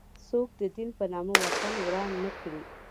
څوک د دین په نامه وطن وران نه کړي.